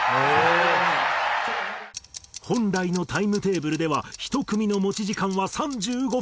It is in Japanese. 本来のタイムテーブルでは１組の持ち時間は３５分。